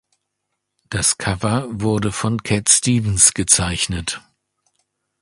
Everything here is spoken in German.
Das Cover wurde von Cat Stevens gezeichnet.